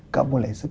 gak boleh sedih